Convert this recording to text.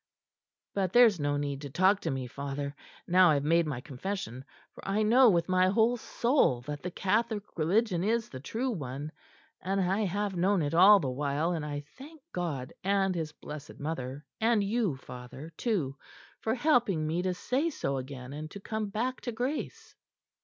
But there is no need to talk to me, father, now I have made my confession, for I know with my whole soul that the Catholic Religion is the true one and I have known it all the while, and I thank God and His Blessed Mother, and you, father, too, for helping me to say so again, and to come back to grace."